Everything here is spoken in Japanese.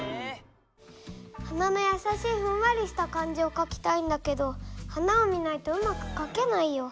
花のやさしいふんわりした感じをかきたいんだけど花を見ないとうまくかけないよ。